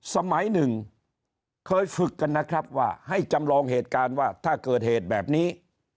สมัยหนึ่งเคยฝึกกันนะครับว่าให้จำลองเหตุการณ์ว่าถ้าเกิดเหตุแบบนี้